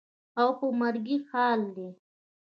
او په مرګي حال دى.